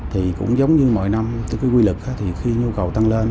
thì cũng giống như mọi năm cái quy lực thì khi nhu cầu tăng lên